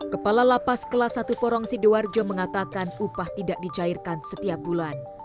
kepala lapas kelas satu porong sidoarjo mengatakan upah tidak dicairkan setiap bulan